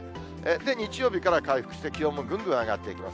日曜日から回復して、気温もぐんぐん上がっていきます。